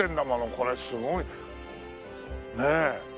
これすごいねえ。